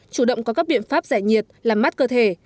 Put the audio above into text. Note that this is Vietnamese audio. chủ động có các biện pháp giải nhiệt làm mát cơ thể